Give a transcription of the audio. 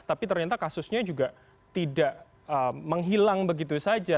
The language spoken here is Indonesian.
tapi ternyata kasusnya juga tidak menghilang begitu saja